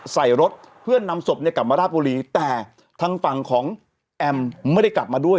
ใส่รถเพื่อนำศพเนี่ยกลับมาราชบุรีแต่ทางฝั่งของแอมไม่ได้กลับมาด้วย